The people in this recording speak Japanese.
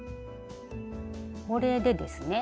これでですね